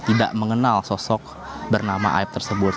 tidak mengenal sosok bernama aib tersebut